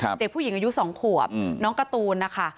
เด็กผู้หญิงอายุสองขวบน้องการ์ตูนนะคะ